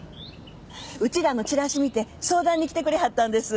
うちらのチラシ見て相談に来てくれはったんです。